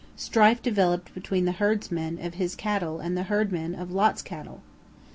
Strife developed between the herdmen of his cattle and the herdmen of Lot's cattle.